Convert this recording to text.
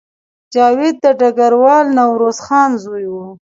جاوید د ډګروال نوروز خان زوی و